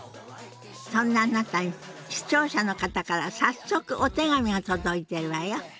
そんなあなたに視聴者の方から早速お手紙が届いているわよ。